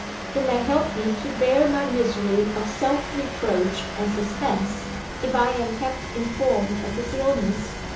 It may help me to bear my misery of self reproach and suspense, if I am kept informed of his illness.